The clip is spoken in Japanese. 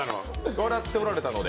笑っておられたので。